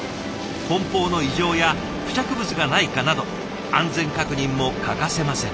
梱包の異常や付着物がないかなど安全確認も欠かせません。